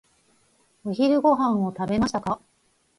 お昼ご飯を食べましたか？